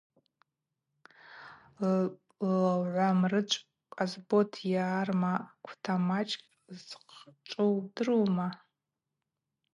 Лгӏвамрычв Къасбот йарма квтамачв шхъчӏву удырума?